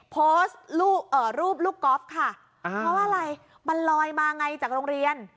โพสต์รูปลูกก๊อฟค่ะเพราะว่าอะไรมันลอยมาไงจากโรงเรียน